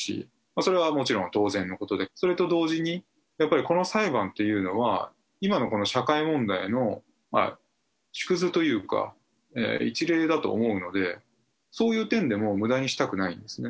それはもちろん当然のことで、それと同時に、やっぱりこの裁判というのは、今のこの社会問題の縮図というか、一例だと思うので、そういう点でもむだにしたくないんですね。